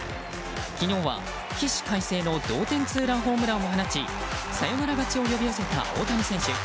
昨日は、起死回生の同点ツーランホームランを放ちサヨナラ勝ちを呼び寄せた大谷選手。